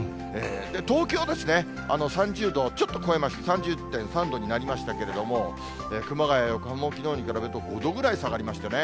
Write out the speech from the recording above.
東京ですね、３０度をちょっと超えまして、３０．３度になりましたけれども、熊谷、横浜もきのうに比べると５度ぐらい下がりましてね。